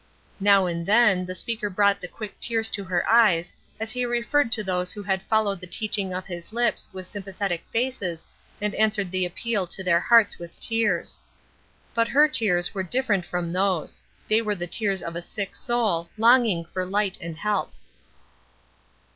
Now and then the speaker brought the quick tears to her eyes as he referred to those who had followed the teaching of his lips with sympathetic faces and answered the appeal to their hearts with tears; but her tears were different from those they were the tears of a sick soul, longing for light and help.